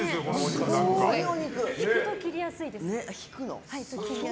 引くと切りやすいです。